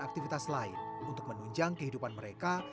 aktivitas lain untuk menunjang kehidupan mereka